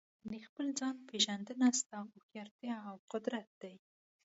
د خپل ځان پېژندنه ستا هوښیارتیا او قدرت دی.